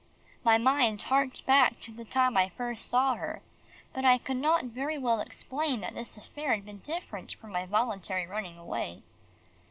My mind harked back to the time I first saw her, but I could not very well explain that this affair had been different from my voluntary running away.